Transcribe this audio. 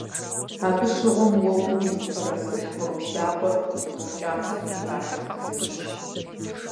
Абы щыгъуэм уэгум иуфэрэзыхь Къру Закъуэр къру кӏапсэм и пашэ хъужынущ.